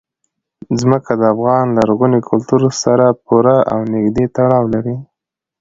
ځمکه د افغان لرغوني کلتور سره پوره او نږدې تړاو لري.